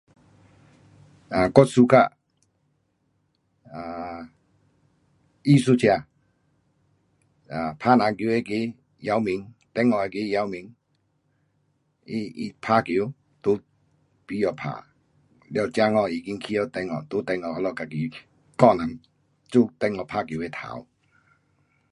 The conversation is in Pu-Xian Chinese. um 我 suka um 艺术家，um 打篮球那个姚明，中国那个姚明。他打球在美国打，了这下已经去到中国，在中国那里自己教人做中国打球的头。